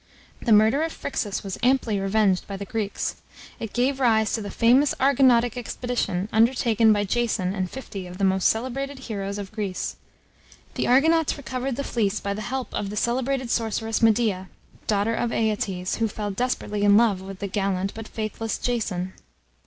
The murder of Phryxus was amply revenged by the Greeks. It gave rise to the famous Argonautic expedition, undertaken by Jason and fifty of the most celebrated heroes of Greece. The Argonauts recovered the fleece by the help of the celebrated sorceress Medea, daughter of Aeetes, who fell desperately in love with the gallant but faithless Jason.